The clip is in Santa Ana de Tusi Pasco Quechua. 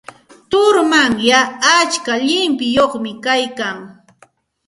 Turumanyay atska llimpiyuqmi kaykan.